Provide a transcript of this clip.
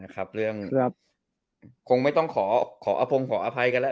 คงไม่ต้องขออพงขออภัยกันแล้ว